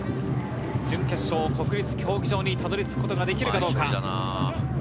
準決勝、国立競技場にたどり着くことができるかどうか。